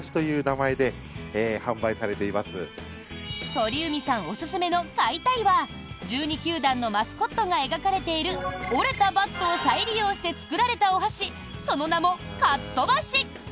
鳥海さんおすすめの買いたいは１２球団のマスコットが描かれている折れたバットを再利用して作られたお箸その名も「かっとばし！！」。